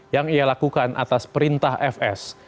yang ia lakukan atas perintah fs